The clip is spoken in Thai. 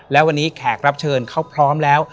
และวันนี้แขกรับเชิญเขาพร้อมแล้ว